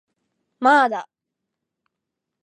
まーだ